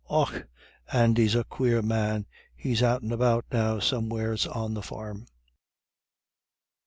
Och, Andy's a quare man. He's out and about now somewheres on the farm."